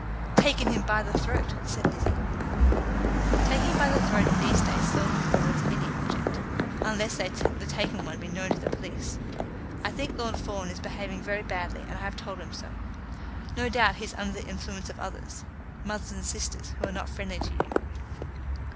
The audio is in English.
"Taken him by the throat," said Lizzie. "Taking by the throat in these days seldom forwards any object, unless the taken one be known to the police. I think Lord Fawn is behaving very badly, and I have told him so. No doubt he is under the influence of others, mother and sisters, who are not friendly to you."